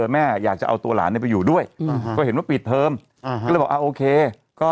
แม่อยากจะเอาตัวหลานไปอยู่ด้วยก็เห็นว่าปิดเทอมโอเคก็